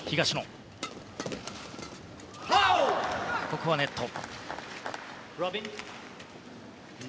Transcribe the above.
ここはネット。